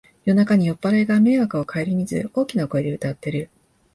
夜中に酔っぱらいが迷惑をかえりみず大きな声で歌ってる